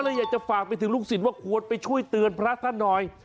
อยากจะฝากไปถึงลูกศิษย์ว่าควรไปช่วยเตือนพระท่านหน่อย